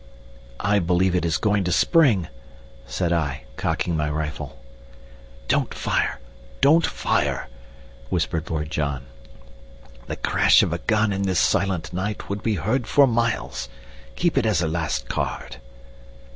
"I believe it is going to spring!" said I, cocking my rifle. "Don't fire! Don't fire!" whispered Lord John. "The crash of a gun in this silent night would be heard for miles. Keep it as a last card."